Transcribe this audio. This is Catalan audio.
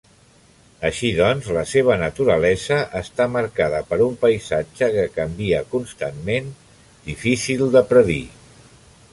Així doncs, la seva naturalesa està marcada per un paisatge que canvia constantment, difícil de predir.